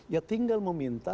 ya tinggal membuat penyelidikan